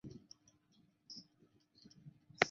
几乎所有的人类都有穿着衣物的文化。